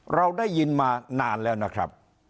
เราได้ยินมานานแล้วนะครับ